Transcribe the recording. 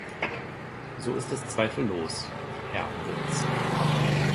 So ist es zweifellos, Herr Wurtz.